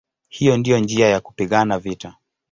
Hiyo ndiyo njia ya kupigana vita".